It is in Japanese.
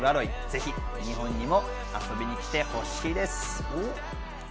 ぜひ日本にも遊びに来てほしいです。